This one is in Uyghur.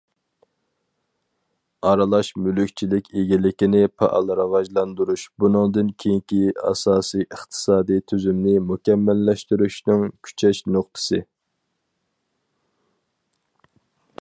ئارىلاش مۈلۈكچىلىك ئىگىلىكىنى پائال راۋاجلاندۇرۇش بۇنىڭدىن كېيىنكى ئاساسىي ئىقتىسادىي تۈزۈمنى مۇكەممەللەشتۈرۈشنىڭ كۈچەش نۇقتىسى.